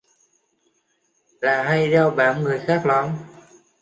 là hay đeo bám người khác lắm